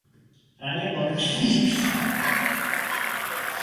Raně barokní křtitelnice je kamenná.